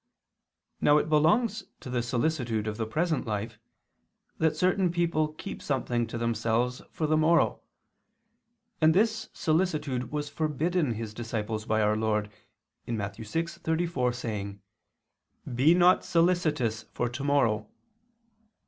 Now it belongs to the solicitude of the present life that certain people keep something to themselves for the morrow; and this solicitude was forbidden His disciples by our Lord (Matt. 6:34) saying: "Be not ... solicitous for tomorrow."